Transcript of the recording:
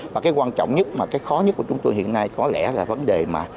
và cái quan trọng nhất mà cái khó nhất của chúng tôi hiện nay có lẽ là vấn đề mà